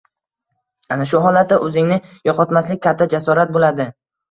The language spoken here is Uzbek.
Ana shu holatda oʻzingni yoʻqotmaslik katta jasorat boʻladi